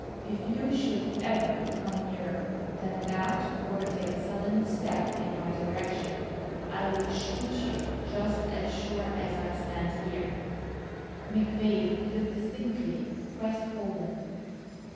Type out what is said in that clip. If you should ever come nearer than that or take a sudden step in my direction, I'd shoot you just as sure as I stand here." McVay looked distinctly crestfallen.